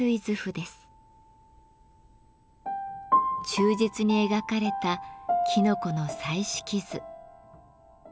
忠実に描かれたきのこの彩色図。